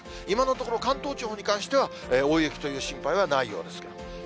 今のところ、関東地方に関しては大雪という心配はないようです。